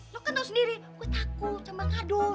lo kan tahu sendiri gue takut sama ngadun